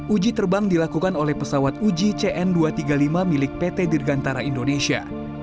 uji terbang dilakukan oleh pesawat uji cn dua ratus tiga puluh lima milik pt dirgantara indonesia